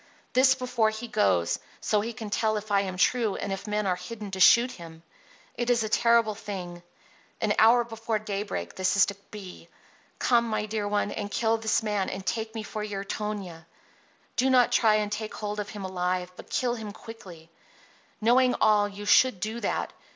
This before he goes, so he can tell if I am true and if men are hidden to shoot him. It is a terrible thing. An hour before daybreak this is to be. Come, my dear one, and kill this man and take me for your Tonia. Do not try to take hold of him alive, but kill him quickly. Knowing all, you should do that.